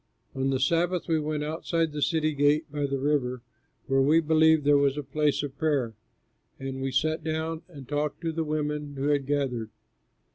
On the Sabbath we went outside the city gate by the river, where we believed there was a place of prayer. And we sat down and talked to the women who had gathered.